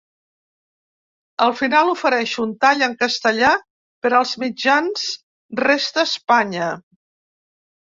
Al final ofereixo un tall en castellà per als mitjans resta Espanya.